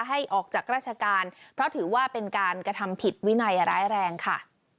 ให้ออกจากราชการเพราะถือว่าเป็นการกระทำผิดวินัยร้ายแรงค่ะ